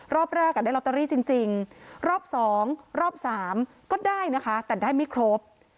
รอบแรกได้ลอตเตอรี่จริงรอบ๒รอบ๓ก็ได้นะคะแต่ได้ไม่ครบ